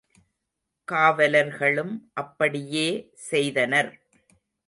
காவலர்களும் அப்படியே செய்தனர்.